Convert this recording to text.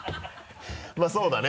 まぁそうだね。